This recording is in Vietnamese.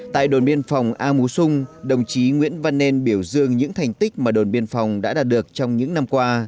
tại đồn biên phòng a mú xung đồng chí nguyễn văn nên biểu dương những thành tích mà đồn biên phòng đã đạt được trong những năm qua